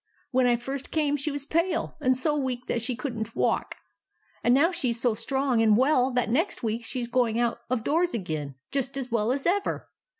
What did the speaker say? When I first came she was pale, and so weak that she could n't walk ; and now she s so strong and well that next week she 's going out of doors again, just as well as ever.